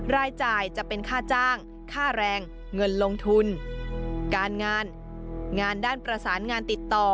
รายจ่ายจะเป็นค่าจ้างค่าแรงเงินลงทุนการงานงานด้านประสานงานติดต่อ